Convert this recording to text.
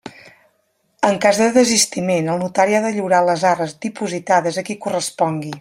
En cas de desistiment, el notari ha de lliurar les arres dipositades a qui correspongui.